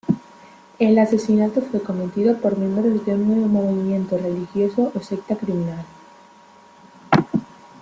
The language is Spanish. El asesinato fue cometido por miembros de un nuevo movimiento religioso o secta criminal.